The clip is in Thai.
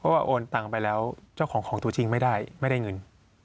ว่าโอนตังค์ไปแล้วเจ้าของของตัวจริงไม่ได้ไม่ได้เงิน